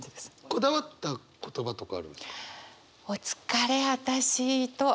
こだわった言葉とかあるんですか？